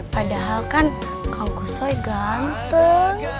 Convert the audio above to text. padahal kan kang kusoy ganteng